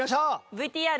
ＶＴＲ。